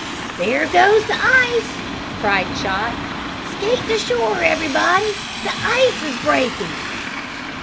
"There goes the ice!" cried Chot. "Skate to shore, everybody! The ice is breaking!"